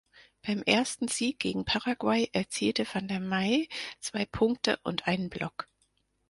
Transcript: Beim ersten Sieg gegen Paraguay erzielte van der Meij zwei Punkte und einen Block.